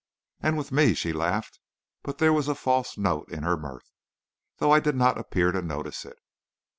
"And with me," she laughed; but there was a false note in her mirth, though I did not appear to notice it.